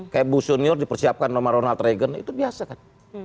kayak bus senior dipersiapkan nama ronald reagan itu biasa kan